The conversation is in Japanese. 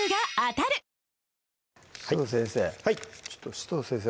紫藤先生